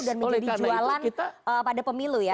dan menjadi jualan pada pemilu ya